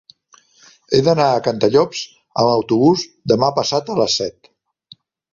He d'anar a Cantallops amb autobús demà passat a les set.